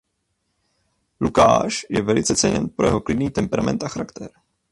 Lukas je velice ceněn pro jeho klidný temperament a charakter.